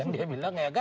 dia bilang ya kan